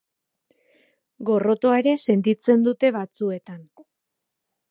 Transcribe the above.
Gorrotoa ere sentitzen dute batzuetan.